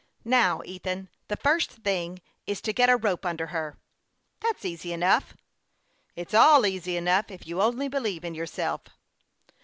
Now, Ethan, the first thing is to get a rope under her." " That's easy enough." " It's all easy enough, if you only believe in yourself."